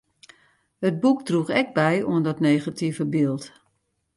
It boek droech ek by oan dat negative byld.